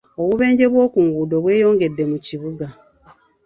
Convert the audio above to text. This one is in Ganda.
Obubenje bw'oku nguudo bweyongedde mu kibuga.